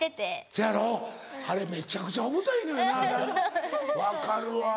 せやろあれめっちゃくちゃ重たいのよな分かるわ。